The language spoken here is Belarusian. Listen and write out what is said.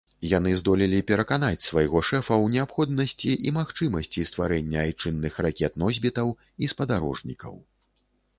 Яны здолелі пераканаць свайго шэфа ў неабходнасці і магчымасці стварэння айчынных ракет-носьбітаў і спадарожнікаў.